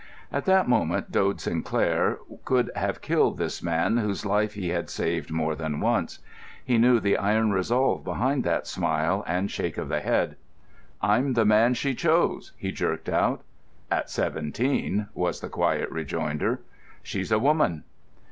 At that moment Dode Sinclair could have killed this man whose life he had saved more than once. He knew the iron resolve behind that smile and shake of the head. "I'm the man she chose," he jerked out. "At seventeen," was the quiet rejoinder. "She's a woman."